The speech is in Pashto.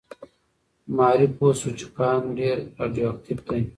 ماري پوه شوه چې کان ډېر راډیواکټیف دی.